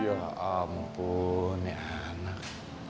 ya ampun ya anak